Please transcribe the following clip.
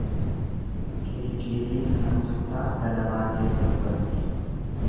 Qiliblibiin hantuutaa galabaa keessa gubatti.